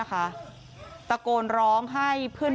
สวัสดีครับทุกคน